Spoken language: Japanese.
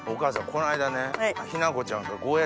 この間ね。